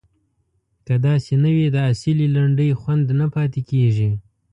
که داسې نه وي د اصیلې لنډۍ خوند نه پاتې کیږي.